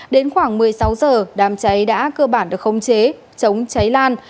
đến khoảng một mươi sáu h đám cháy đã cơ bản được không chế chống cháy lan